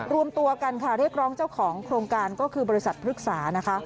รวมตัวกันค่ะเรียกร้องเจ้าของโครงการก็คือบริษัทพฤกษานะคะ